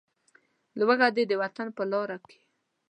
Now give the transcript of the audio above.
لوږه دې د وطن په لاره کې.